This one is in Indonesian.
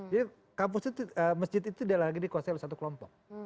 jadi kampus itu masjid itu dikuasai oleh satu kelompok